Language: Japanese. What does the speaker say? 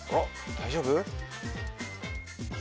大丈夫？